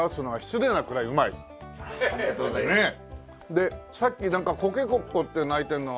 でさっきなんかコケコッコーって鳴いてるのは。